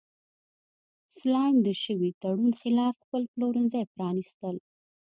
سلایم د شوي تړون خلاف خپل پلورنځي پرانیستل.